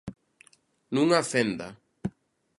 Nunha fenda.